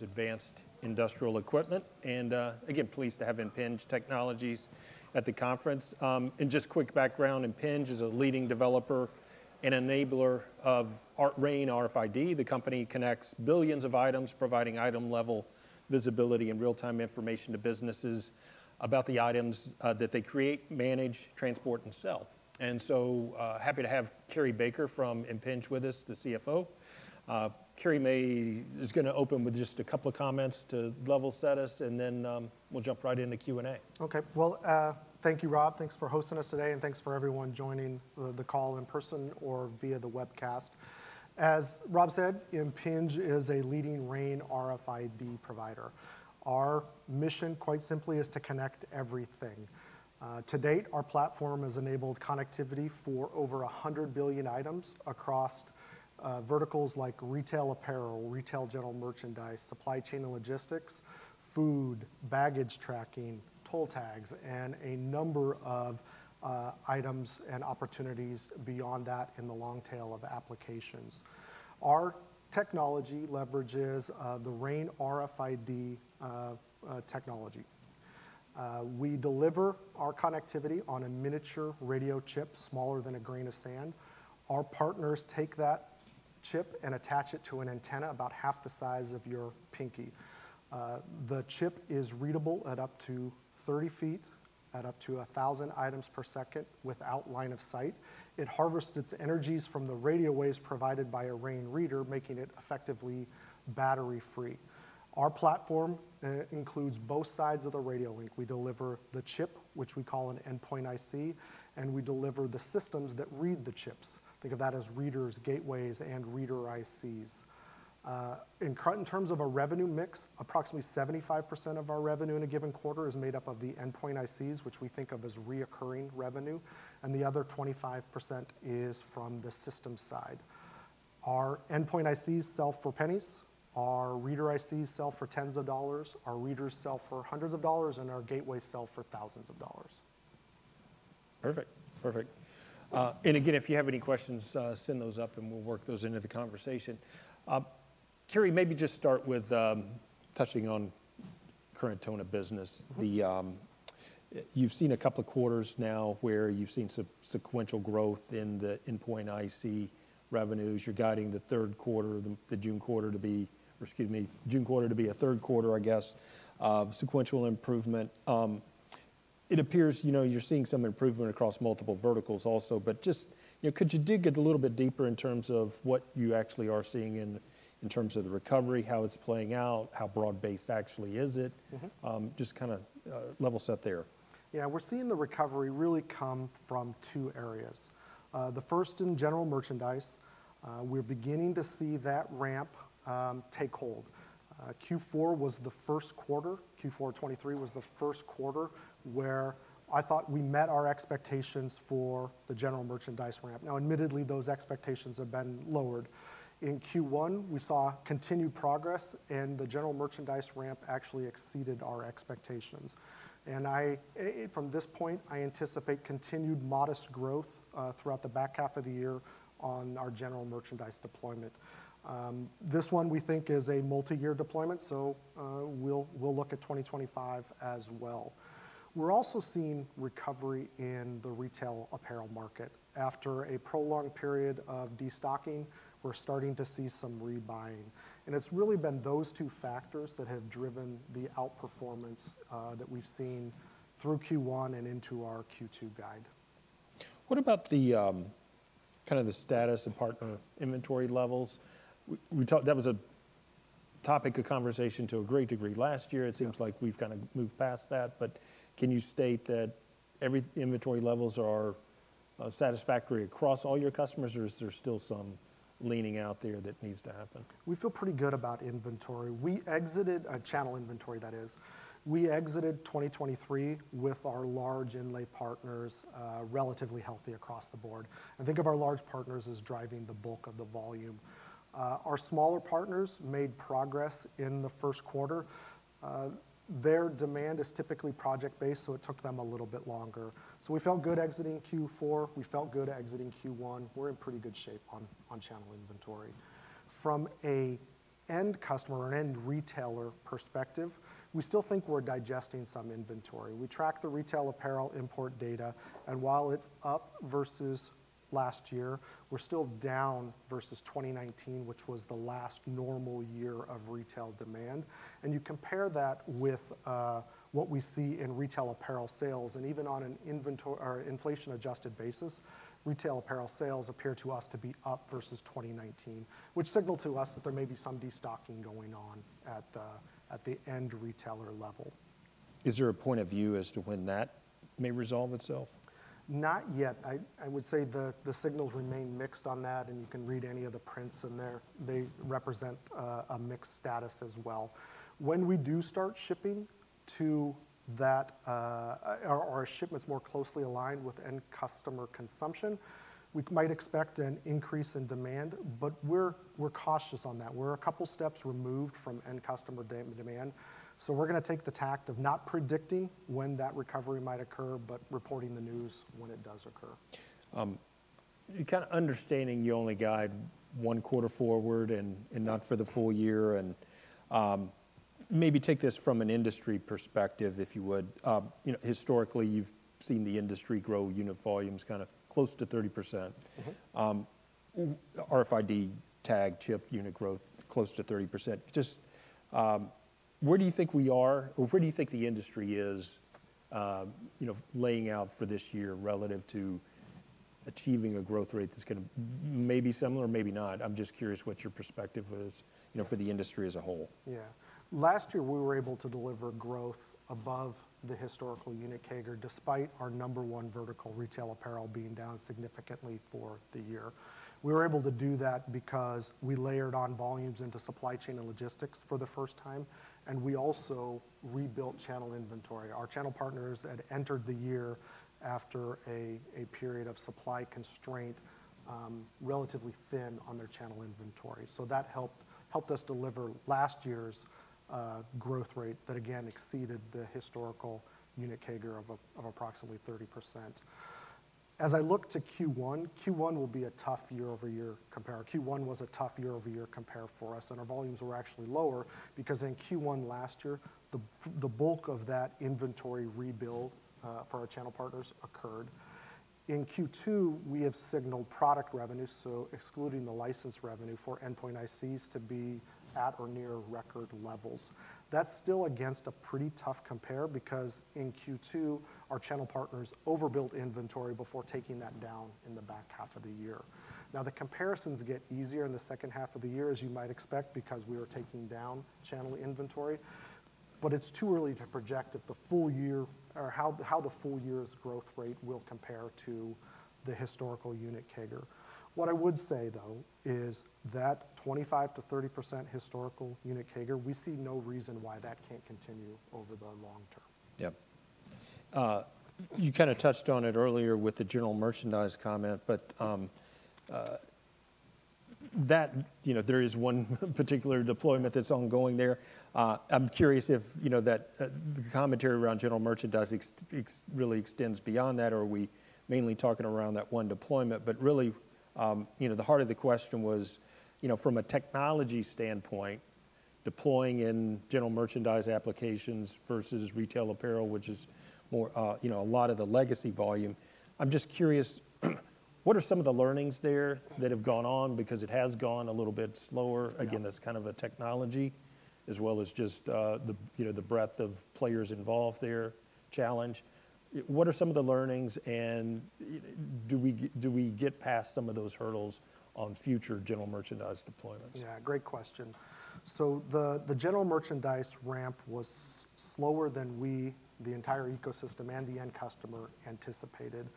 Advanced industrial equipment. Again, pleased to have Impinj Technologies at the conference. And just quick background: Impinj is a leading developer and enabler of RAIN RFID. The company connects billions of items, providing item-level visibility and real-time information to businesses about the items that they create, manage, transport, and sell. And so, happy to have Cary Baker from Impinj with us, the CFO. Cary may—he's going to open with just a couple of comments to level set us, and then, we'll jump right into Q&A. Okay. Well, thank you, Rob. Thanks for hosting us today, and thanks for everyone joining the call in person or via the webcast. As Rob said, Impinj is a leading RAIN RFID provider. Our mission, quite simply, is to connect everything. To date, our platform has enabled connectivity for over 100 billion items across verticals like retail apparel, retail general merchandise, supply chain and logistics, food, baggage tracking, toll tags, and a number of items and opportunities beyond that in the long tail of applications. Our technology leverages the RAIN RFID technology. We deliver our connectivity on a miniature radio chip smaller than a grain of sand. Our partners take that chip and attach it to an antenna about half the size of your pinky. The chip is readable at up to 30 feet, at up to 1,000 items per second without line of sight. It harvests its energies from the radio waves provided by a RAIN reader, making it effectively battery-free. Our platform includes both sides of the radio link. We deliver the chip, which we call an endpoint IC, and we deliver the systems that read the chips. Think of that as readers, gateways, and reader ICs. In terms of a revenue mix, approximately 75% of our revenue in a given quarter is made up of the endpoint ICs, which we think of as recurring revenue, and the other 25% is from the system side. Our endpoint ICs sell for pennies, our reader ICs sell for tens of dollars, our readers sell for hundreds of dollars, and our gateways sell for thousands of dollars. Perfect. Perfect. And again, if you have any questions, send those up, and we'll work those into the conversation. Cary, maybe just start with touching on current tone of business. The, you've seen a couple of quarters now where you've seen sequential growth in the Endpoint IC revenues. You're guiding the third quarter, the June quarter, to be—or, excuse me, June quarter to be a third quarter, I guess, of sequential improvement. It appears, you know, you're seeing some improvement across multiple verticals also, but just, you know, could you dig it a little bit deeper in terms of what you actually are seeing in, in terms of the recovery, how it's playing out, how broad-based actually is it? Mm-hmm. just kind of, level set there. Yeah, we're seeing the recovery really come from two areas. The first in general merchandise. We're beginning to see that ramp take hold. Q4 was the first quarter. Q4 2023 was the first quarter where I thought we met our expectations for the general merchandise ramp. Now, admittedly, those expectations have been lowered. In Q1, we saw continued progress, and the general merchandise ramp actually exceeded our expectations. And I, from this point, I anticipate continued modest growth throughout the back half of the year on our general merchandise deployment. This one we think is a multi-year deployment, so we'll, we'll look at 2025 as well. We're also seeing recovery in the retail apparel market. After a prolonged period of destocking, we're starting to see some rebuying. And it's really been those two factors that have driven the outperformance that we've seen through Q1 and into our Q2 guide. What about kind of the status and partner inventory levels? We talked—that was a topic of conversation to a great degree. Last year, it seems like we've kind of moved past that, but can you state that every inventory levels are satisfactory across all your customers, or is there still some leaning out there that needs to happen? We feel pretty good about inventory. We exited a channel inventory, that is. We exited 2023 with our large inlay partners, relatively healthy across the board. I think of our large partners as driving the bulk of the volume. Our smaller partners made progress in the first quarter. Their demand is typically project-based, so it took them a little bit longer. So we felt good exiting Q4. We felt good exiting Q1. We're in pretty good shape on channel inventory. From an end customer and end retailer perspective, we still think we're digesting some inventory. We track the retail apparel import data, and while it's up versus last year, we're still down versus 2019, which was the last normal year of retail demand. You compare that with what we see in retail apparel sales, and even on an inventory or inflation-adjusted basis, retail apparel sales appear to us to be up versus 2019, which signal to us that there may be some destocking going on at the end retailer level. Is there a point of view as to when that may resolve itself? Not yet. I would say the signals remain mixed on that, and you can read any of the prints in there. They represent a mixed status as well. When we do start shipping to that, our shipments more closely aligned with end customer consumption, we might expect an increase in demand, but we're cautious on that. We're a couple steps removed from end customer demand. So we're going to take the tack of not predicting when that recovery might occur, but reporting the news when it does occur. You kind of understanding you only guide one quarter forward and not for the full year. And, maybe take this from an industry perspective, if you would. You know, historically, you've seen the industry grow unit volumes kind of close to 30%. Mm-hmm. RFID tag chip unit growth close to 30%. Just, where do you think we are, or where do you think the industry is, you know, laying out for this year relative to achieving a growth rate that's going to maybe similar, maybe not? I'm just curious what your perspective is, you know, for the industry as a whole. Yeah. Last year, we were able to deliver growth above the historical unit CAGR, despite our number one vertical, retail apparel, being down significantly for the year. We were able to do that because we layered on volumes into supply chain and logistics for the first time, and we also rebuilt channel inventory. Our channel partners had entered the year after a period of supply constraint, relatively thin on their channel inventory. So that helped us deliver last year's growth rate that again exceeded the historical unit CAGR of approximately 30%. As I look to Q1, Q1 will be a tough year-over-year compare. Q1 was a tough year-over-year compare for us, and our volumes were actually lower because in Q1 last year, the bulk of that inventory rebuild for our channel partners occurred. In Q2, we have signaled product revenue, so excluding the license revenue for endpoint ICs to be at or near record levels. That's still against a pretty tough compare because in Q2, our channel partners overbuilt inventory before taking that down in the back half of the year. Now, the comparisons get easier in the second half of the year, as you might expect, because we were taking down channel inventory, but it's too early to project at the full year or how, how the full year's growth rate will compare to the historical unit CAGR. What I would say, though, is that 25%-30% historical unit CAGR, we see no reason why that can't continue over the long term. Yeah, you kind of touched on it earlier with the general merchandise comment, but, you know, there is one particular deployment that's ongoing there. I'm curious if, you know, the commentary around general merchandise ex-ex really extends beyond that, or are we mainly talking around that one deployment? But really, you know, the heart of the question was, you know, from a technology standpoint, deploying in general merchandise applications versus retail apparel, which is more, you know, a lot of the legacy volume. I'm just curious, what are some of the learnings there that have gone on because it has gone a little bit slower? Again, that's kind of a technology, as well as just, you know, the breadth of players involved there, challenge. What are some of the learnings, and do we get past some of those hurdles on future general merchandise deployments? Yeah, great question. So the general merchandise ramp was slower than we, the entire ecosystem, and the end customer anticipated.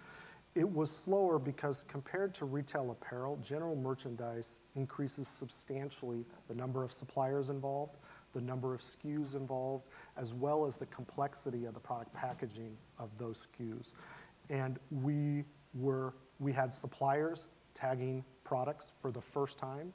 It was slower because compared to retail apparel, general merchandise increases substantially the number of suppliers involved, the number of SKUs involved, as well as the complexity of the product packaging of those SKUs. And we had suppliers tagging products for the first time,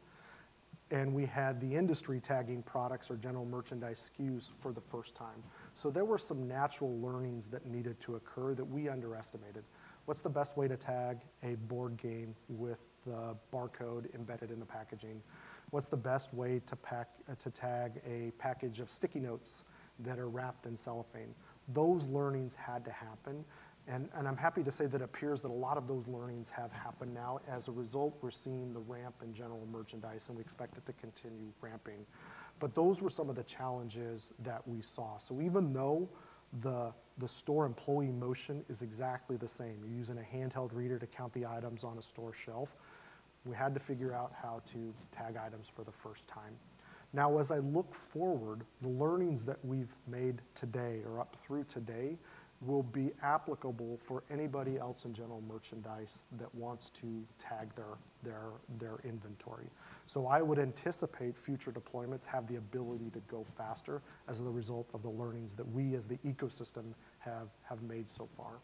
and the industry tagging products or general merchandise SKUs for the first time. So there were some natural learnings that needed to occur that we underestimated. What's the best way to tag a board game with the barcode embedded in the packaging? What's the best way to tag a package of sticky notes that are wrapped in cellophane? Those learnings had to happen. And I'm happy to say that it appears that a lot of those learnings have happened now. As a result, we're seeing the ramp in general merchandise, and we expect it to continue ramping. But those were some of the challenges that we saw. So even though the store employee motion is exactly the same, you're using a handheld reader to count the items on a store shelf, we had to figure out how to tag items for the first time. Now, as I look forward, the learnings that we've made today or up through today will be applicable for anybody else in general merchandise that wants to tag their inventory. So I would anticipate future deployments have the ability to go faster as a result of the learnings that we as the ecosystem have made so far.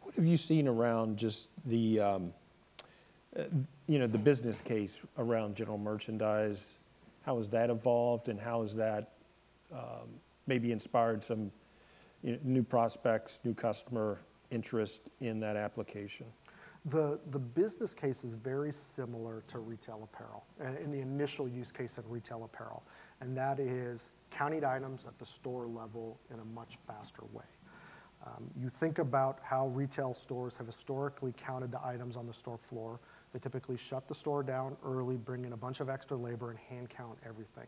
What have you seen around just the, you know, the business case around general merchandise? How has that evolved, and how has that, maybe inspired some, you know, new prospects, new customer interest in that application? The business case is very similar to retail apparel and in the initial use case of retail apparel, and that is counted items at the store level in a much faster way. You think about how retail stores have historically counted the items on the store floor. They typically shut the store down early, bring in a bunch of extra labor, and hand count everything.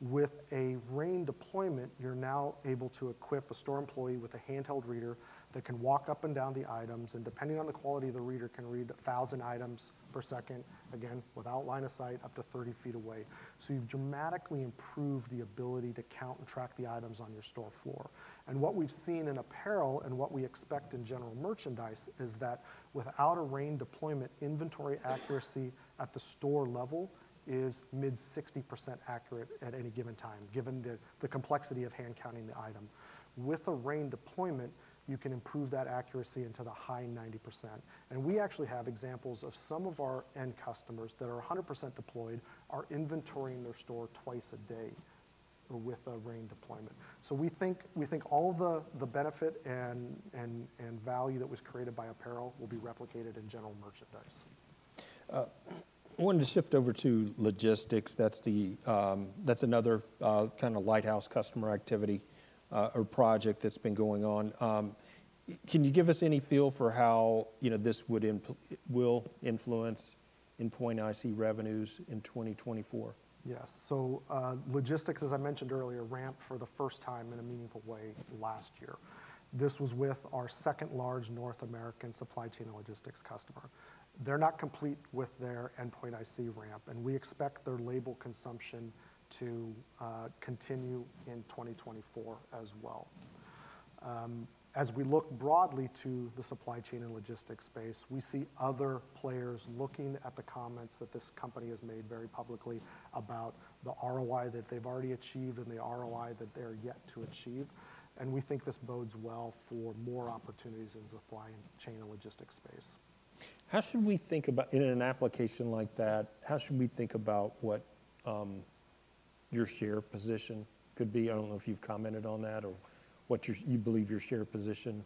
With a RAIN deployment, you're now able to equip a store employee with a handheld reader that can walk up and down the items, and depending on the quality of the reader, can read 1,000 items per second, again, without line of sight, up to 30 feet away. So you've dramatically improved the ability to count and track the items on your store floor. And what we've seen in apparel and what we expect in general merchandise is that without a RAIN deployment, inventory accuracy at the store level is mid-60% accurate at any given time, given the complexity of hand counting the item. With a RAIN deployment, you can improve that accuracy into the high 90%. And we actually have examples of some of our end customers that are 100% deployed, are inventorying their store twice a day with a RAIN deployment. So we think all the benefit and value that was created by apparel will be replicated in general merchandise. I wanted to shift over to logistics. That's the, that's another, kind of lighthouse customer activity, or project that's been going on. Can you give us any feel for how, you know, this would, will influence endpoint IC revenues in 2024? Yes. So, logistics, as I mentioned earlier, ramped for the first time in a meaningful way last year. This was with our second large North American supply chain and logistics customer. They're not complete with their Endpoint IC ramp, and we expect their label consumption to continue in 2024 as well. As we look broadly to the supply chain and logistics space, we see other players looking at the comments that this company has made very publicly about the ROI that they've already achieved and the ROI that they're yet to achieve. And we think this bodes well for more opportunities in the supply chain and logistics space. How should we think about, in an application like that, how should we think about what your share position could be? I don't know if you've commented on that or what your, you believe your share position,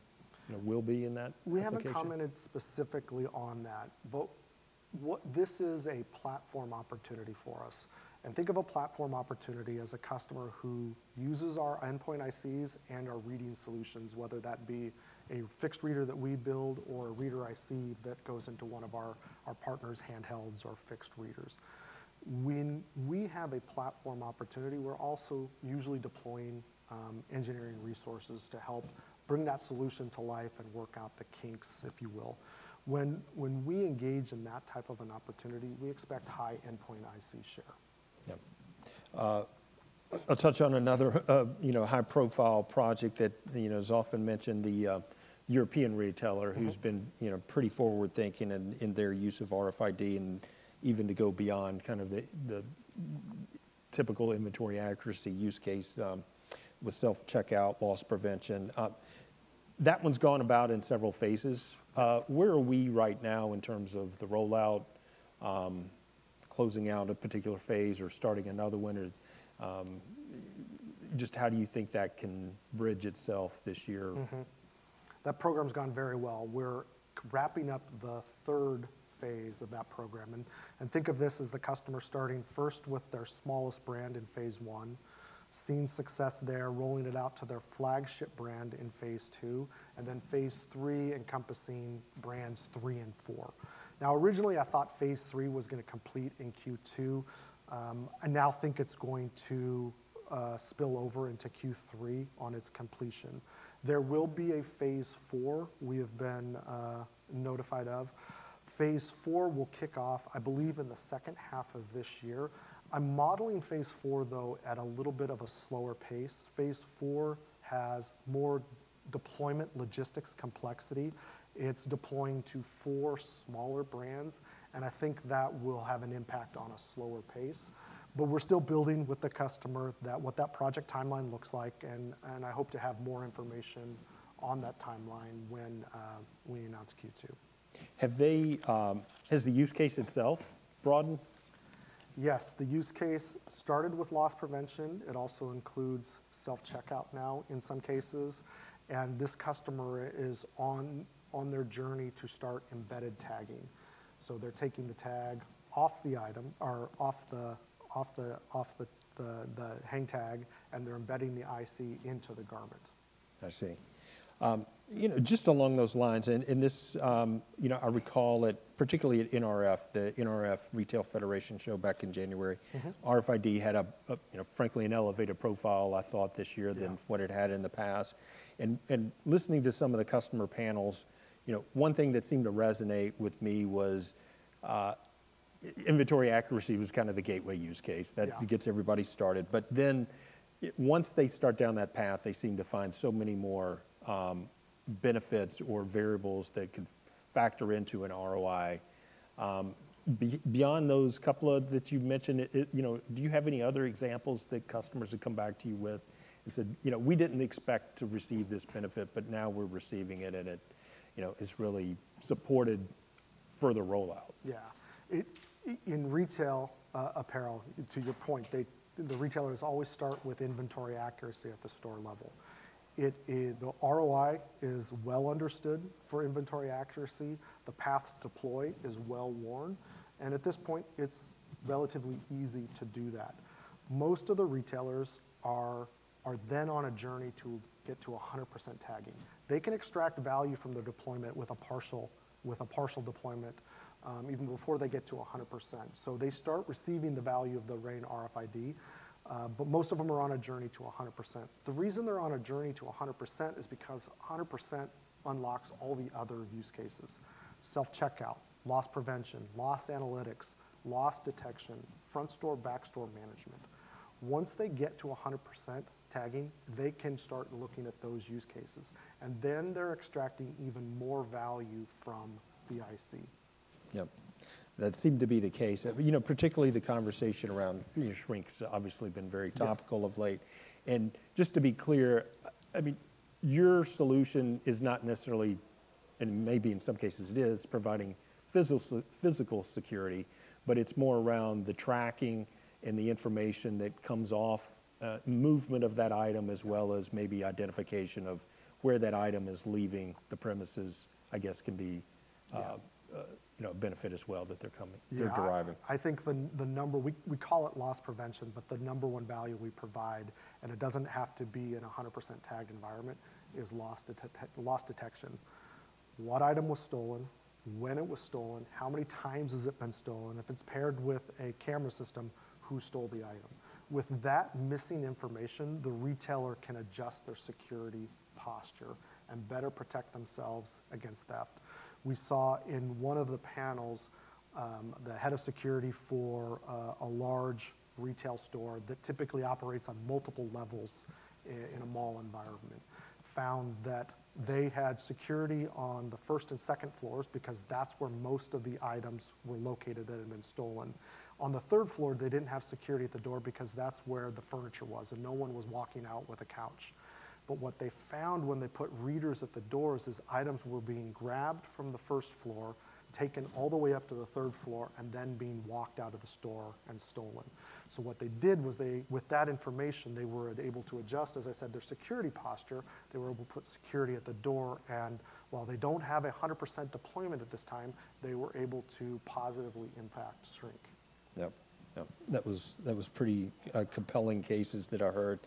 you know, will be in that application? We haven't commented specifically on that, but what this is, a platform opportunity for us. Think of a platform opportunity as a customer who uses our endpoint ICs and our reading solutions, whether that be a fixed reader that we build or a reader IC that goes into one of our partners' handhelds or fixed readers. When we have a platform opportunity, we're also usually deploying engineering resources to help bring that solution to life and work out the kinks, if you will. When we engage in that type of an opportunity, we expect high endpoint IC share. Yeah. I'll touch on another, you know, high-profile project that, you know, is often mentioned, the European retailer who's been, you know, pretty forward-thinking in their use of RFID and even to go beyond kind of the typical inventory accuracy use case, with self-checkout loss prevention. That one's gone about in several phases. Where are we right now in terms of the rollout, closing out a particular phase or starting another one? Or, just how do you think that can bridge itself this year? Mm-hmm. That program's gone very well. We're wrapping up the third phase of that program. Think of this as the customer starting first with their smallest brand in phase one, seeing success there, rolling it out to their flagship brand in phase two, and then phase three encompassing brands three and four. Now, originally, I thought phase three was going to complete in Q2. I now think it's going to spill over into Q3 on its completion. There will be a phase four we have been notified of. Phase four will kick off, I believe, in the second half of this year. I'm modeling phase four, though, at a little bit of a slower pace. Phase four has more deployment logistics complexity. It's deploying to four smaller brands, and I think that will have an impact on a slower pace. But we're still building with the customer that what that project timeline looks like, and I hope to have more information on that timeline when we announce Q2. Have they, has the use case itself broadened? Yes. The use case started with loss prevention. It also includes self-checkout now in some cases. And this customer is on their journey to start embedded tagging. So they're taking the tag off the item or off the hang tag, and they're embedding the IC into the garment. I see. You know, just along those lines, and this, you know, I recall it particularly at NRF, the National Retail Federation show back in January. RFID had a, you know, frankly, an elevated profile, I thought, this year than what it had in the past. And listening to some of the customer panels, you know, one thing that seemed to resonate with me was, inventory accuracy was kind of the gateway use case that gets everybody started. But then once they start down that path, they seem to find so many more benefits or variables that can factor into an ROI. Beyond those couple of that you mentioned, it, you know, do you have any other examples that customers have come back to you with and said, you know, we didn't expect to receive this benefit, but now we're receiving it and it, you know, has really supported further rollout? Yeah. It in retail, apparel, to your point, they the retailers always start with inventory accuracy at the store level. It the ROI is well understood for inventory accuracy. The path deploy is well worn. And at this point, it's relatively easy to do that. Most of the retailers are then on a journey to get to 100% tagging. They can extract value from the deployment with a partial deployment, even before they get to 100%. So they start receiving the value of the RAIN RFID, but most of them are on a journey to 100%. The reason they're on a journey to 100% is because 100% unlocks all the other use cases: self-checkout, loss prevention, loss analytics, loss detection, front store, backstore management. Once they get to 100% tagging, they can start looking at those use cases, and then they're extracting even more value from the IC. Yep. That seemed to be the case. You know, particularly the conversation around, you know, shrinks obviously been very topical of late. Just to be clear, I mean, your solution is not necessarily, and maybe in some cases it is, providing physical, physical security, but it's more around the tracking and the information that comes off, movement of that item, as well as maybe identification of where that item is leaving the premises, I guess can be, you know, a benefit as well that they're coming, they're deriving. Yeah. I think the number we call it loss prevention, but the number one value we provide, and it doesn't have to be in a 100% tagged environment, is loss detect, loss detection. What item was stolen, when it was stolen, how many times has it been stolen? If it's paired with a camera system, who stole the item? With that missing information, the retailer can adjust their security posture and better protect themselves against theft. We saw in one of the panels, the head of security for a large retail store that typically operates on multiple levels in a mall environment found that they had security on the first and second floors because that's where most of the items were located that had been stolen. On the third floor, they didn't have security at the door because that's where the furniture was and no one was walking out with a couch. But what they found when they put readers at the doors is items were being grabbed from the first floor, taken all the way up to the third floor, and then being walked out of the store and stolen. So what they did was they, with that information, they were able to adjust, as I said, their security posture. They were able to put security at the door. And while they don't have a 100% deployment at this time, they were able to positively impact shrink. Yep. Yep. That was pretty compelling cases that I heard.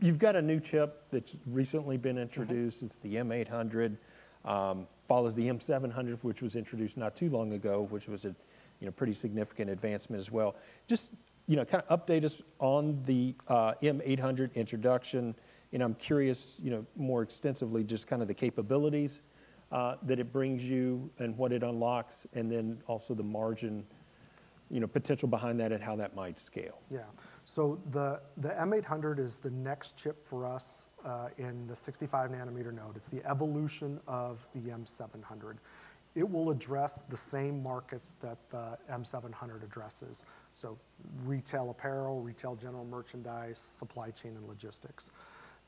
You've got a new chip that's recently been introduced. It's the M800, follows the M700, which was introduced not too long ago, which was a, you know, pretty significant advancement as well. Just, you know, kind of update us on the M800 introduction. And I'm curious, you know, more extensively, just kind of the capabilities that it brings you and what it unlocks, and then also the margin, you know, potential behind that and how that might scale. Yeah. So the, the M800 is the next chip for us, in the 65 nanometer node. It's the evolution of the M700. It will address the same markets that the M700 addresses. So retail apparel, retail general merchandise, supply chain, and logistics.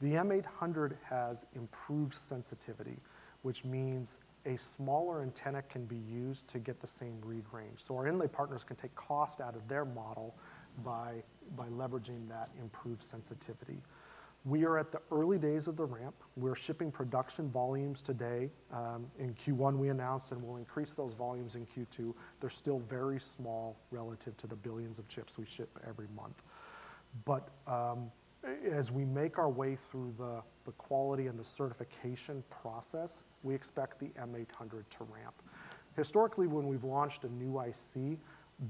The M800 has improved sensitivity, which means a smaller antenna can be used to get the same read range. So our inlay partners can take cost out of their model by, by leveraging that improved sensitivity. We are at the early days of the ramp. We're shipping production volumes today. In Q1, we announced and we'll increase those volumes in Q2. They're still very small relative to the billions of chips we ship every month. But, as we make our way through the, the quality and the certification process, we expect the M800 to ramp. Historically, when we've launched a new IC,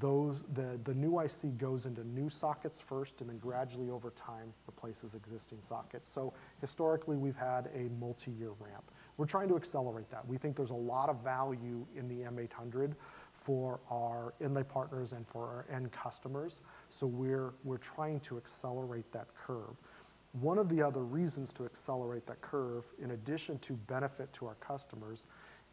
the new IC goes into new sockets first and then gradually over time replaces existing sockets. So historically, we've had a multi-year ramp. We're trying to accelerate that. We think there's a lot of value in the M800 for our inlay partners and for our end customers. So we're trying to accelerate that curve. One of the other reasons to accelerate that curve, in addition to benefit to our customers,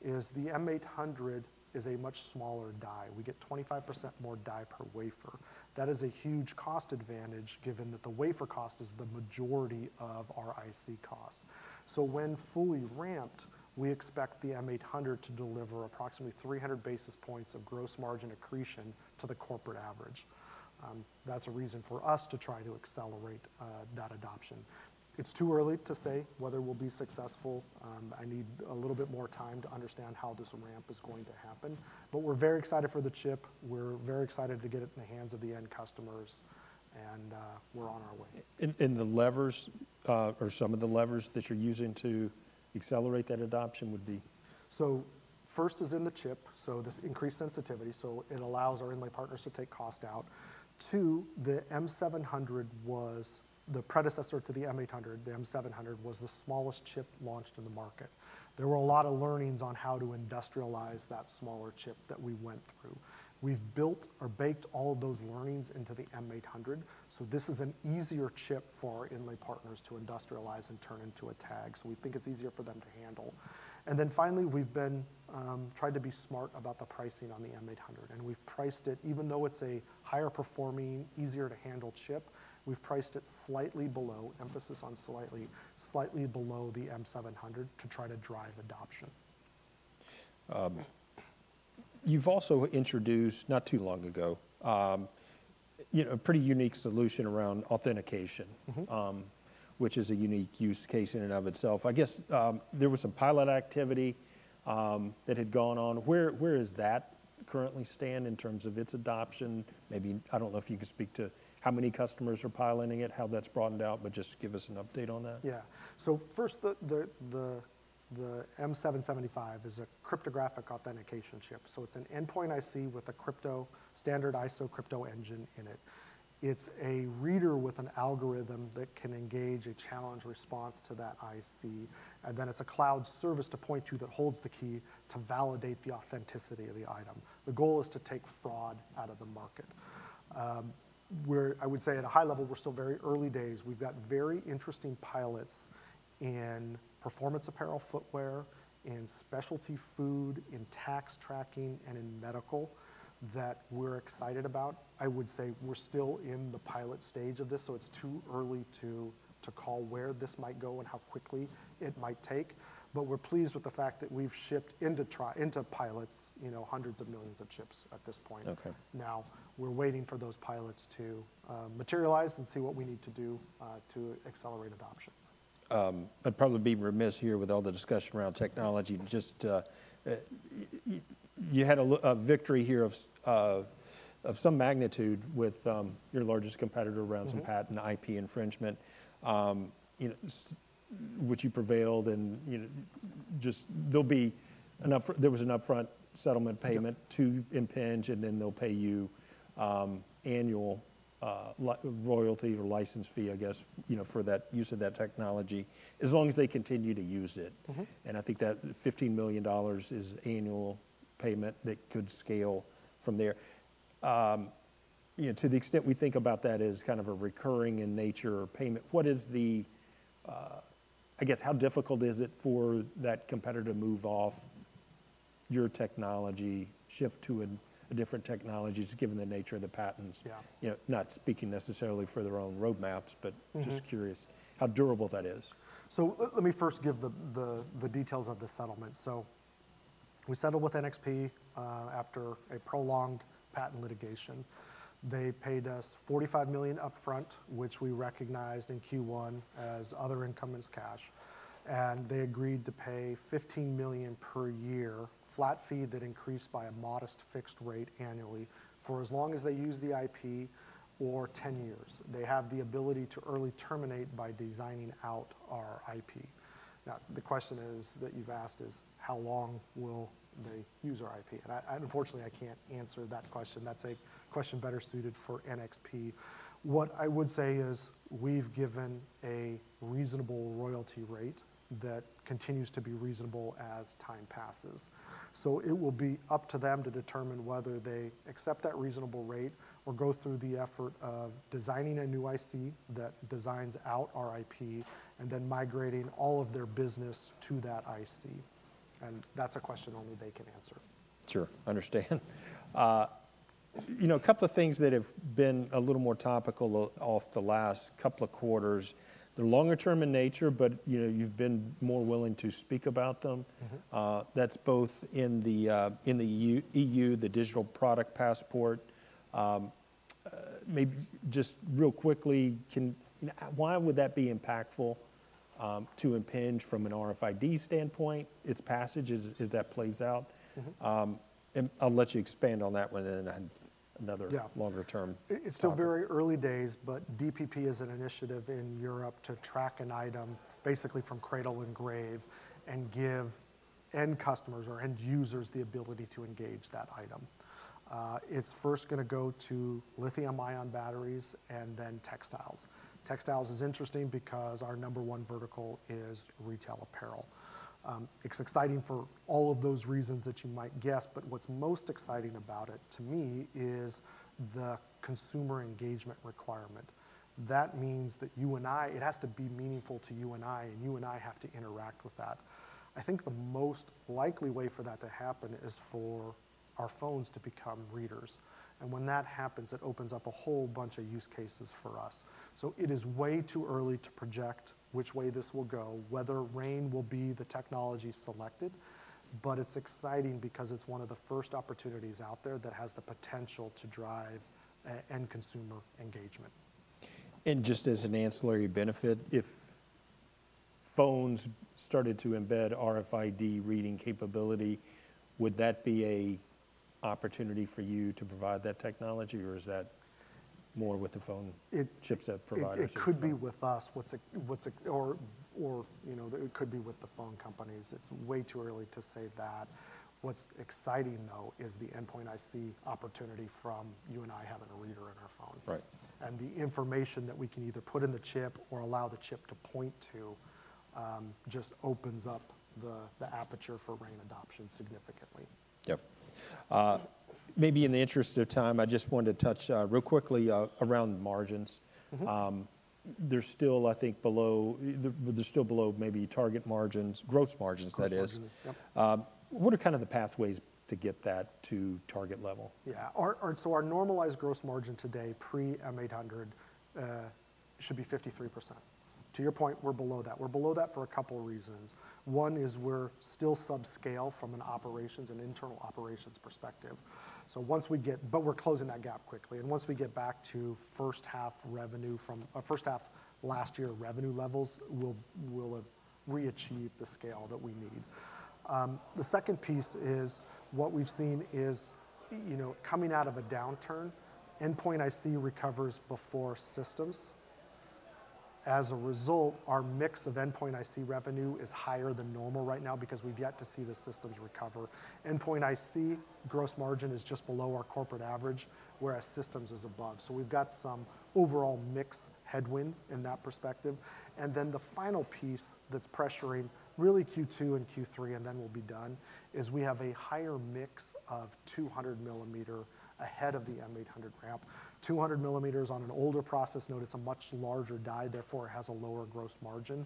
is the M800 is a much smaller die. We get 25% more die per wafer. That is a huge cost advantage given that the wafer cost is the majority of our IC cost. So when fully ramped, we expect the M800 to deliver approximately 300 basis points of gross margin accretion to the corporate average. That's a reason for us to try to accelerate that adoption. It's too early to say whether we'll be successful. I need a little bit more time to understand how this ramp is going to happen, but we're very excited for the chip. We're very excited to get it in the hands of the end customers. We're on our way. And, the levers, or some of the levers that you're using to accelerate that adoption would be. So first is in the chip. So this increased sensitivity. So it allows our inlay partners to take cost out. 2, the M700 was the predecessor to the M800. The M700 was the smallest chip launched in the market. There were a lot of learnings on how to industrialize that smaller chip that we went through. We've built or baked all of those learnings into the M800. So this is an easier chip for our inlay partners to industrialize and turn into a tag. So we think it's easier for them to handle. And then finally, we've been, tried to be smart about the pricing on the M800. And we've priced it, even though it's a higher performing, easier to handle chip, we've priced it slightly below, emphasis on slightly, slightly below the M700 to try to drive adoption. You've also introduced not too long ago, you know, a pretty unique solution around authentication, which is a unique use case in and of itself. I guess, there was some pilot activity, that had gone on. Where, where is that currently stand in terms of its adoption? Maybe, I don't know if you can speak to how many customers are piloting it, how that's broadened out, but just give us an update on that. Yeah. So first, the M775 is a cryptographic authentication chip. So it's an Endpoint IC with a crypto standard ISO Crypto Engine in it. It's a reader with an algorithm that can engage a challenge response to that IC. And then it's a cloud service to point to that holds the key to validate the authenticity of the item. The goal is to take fraud out of the market, where I would say at a high level, we're still very early days. We've got very interesting pilots in performance apparel, footwear, in specialty food, in tax tracking, and in medical that we're excited about. I would say we're still in the pilot stage of this. So it's too early to call where this might go and how quickly it might take. But we're pleased with the fact that we've shipped into trials, into pilots, you know, hundreds of millions of chips at this point. Okay. Now we're waiting for those pilots to materialize and see what we need to do to accelerate adoption. I'd probably be remiss here with all the discussion around technology. Just, you had a victory here of some magnitude with your largest competitor around some patent and IP infringement, you know, which you prevailed and, you know, just there'll be an upfront, there was an upfront settlement payment to Impinj and then they'll pay you annual royalty or license fee, I guess, you know, for that use of that technology as long as they continue to use it. And I think that $15 million is annual payment that could scale from there, you know, to the extent we think about that as kind of a recurring in nature payment, what is the, I guess, how difficult is it for that competitor to move off your technology, shift to a different technologies given the nature of the patents? Yeah. You know, not speaking necessarily for their own roadmaps, but just curious how durable that is. So let me first give the details of the settlement. So we settled with NXP, after a prolonged patent litigation. They paid us $45 million upfront, which we recognized in Q1 as other income cash. And they agreed to pay $15 million per year, flat fee that increased by a modest fixed rate annually for as long as they use the IP or 10 years. They have the ability to early terminate by designing out our IP. Now, the question that you've asked is how long will they use our IP? And I, unfortunately, can't answer that question. That's a question better suited for NXP. What I would say is we've given a reasonable royalty rate that continues to be reasonable as time passes. It will be up to them to determine whether they accept that reasonable rate or go through the effort of designing a new IC that designs out our IP and then migrating all of their business to that IC. That's a question only they can answer. Sure. Understand, you know, a couple of things that have been a little more topical of the last couple of quarters. They're longer term in nature, but you know, you've been more willing to speak about them. That's both in the, maybe just real quickly, why would that be impactful to Impinj from an RFID standpoint, its passage as that plays out? And I'll let you expand on that one and then another longer term. It's still very early days, but DPP is an initiative in Europe to track an item basically from cradle and grave and give end customers or end users the ability to engage that item. It's first going to go to lithium-ion batteries and then textiles. Textiles is interesting because our number one vertical is retail apparel. It's exciting for all of those reasons that you might guess, but what's most exciting about it to me is the consumer engagement requirement. That means that you and I, it has to be meaningful to you and I, and you and I have to interact with that. I think the most likely way for that to happen is for our phones to become readers. And when that happens, it opens up a whole bunch of use cases for us. It is way too early to project which way this will go, whether RAIN will be the technology selected, but it's exciting because it's one of the first opportunities out there that has the potential to drive end consumer engagement. Just as an ancillary benefit, if phones started to embed RFID reading capability, would that be an opportunity for you to provide that technology or is that more with the phone chipset providers? It could be with us. You know, it could be with the phone companies. It's way too early to say that. What's exciting though is the Endpoint IC opportunity from you and I having a reader in our phone. Right. The information that we can either put in the chip or allow the chip to point to just opens up the aperture for RAIN adoption significantly. Yeah. Maybe in the interest of time, I just wanted to touch real quickly around margins. There's still, I think, below, there's still below maybe target margins, gross margins that is. What are kind of the pathways to get that to target level? Yeah. So our normalized gross margin today pre M800 should be 53%. To your point, we're below that. We're below that for a couple of reasons. One is we're still subscale from an operations and internal operations perspective. But we're closing that gap quickly. And once we get back to first half revenue from our first half last year revenue levels, we'll have reached the scale that we need. The second piece is what we've seen is, you know, coming out of a downturn, Endpoint IC recovers before systems. As a result, our mix of Endpoint IC revenue is higher than normal right now because we've yet to see the systems recover. Endpoint IC gross margin is just below our corporate average, whereas systems is above. So we've got some overall mix headwind in that perspective. Then the final piece that's pressuring really Q2 and Q3, and then we'll be done is we have a higher mix of 200-millimeter ahead of the M800 ramp. 200 millimeters on an older process node, it's a much larger die, therefore it has a lower gross margin.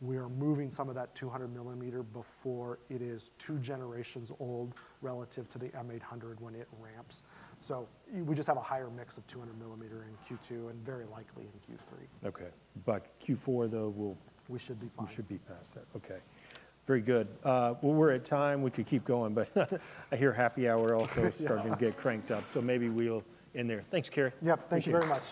We are moving some of that 200 millimeter before it is two generations old relative to the M800 when it ramps. So we just have a higher mix of 200 millimeter in Q2 and very likely in Q3. Okay. But Q4 though, we'll, we should be past that. Okay. Very good. Well, we're at time. We could keep going, but I hear happy hour also starting to get cranked up. So maybe we'll in there. Thanks, Cary. Yep. Thank you very much.